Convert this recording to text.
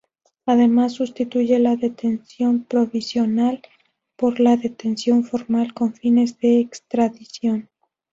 Además sustituye la detención provisional por la detención formal con fines de extradición.